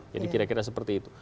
jadi kira kira seperti itu